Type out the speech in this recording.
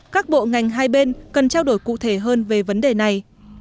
các bộ ngành hai bên cần trao đổi cụ thể hơn về vấn đề này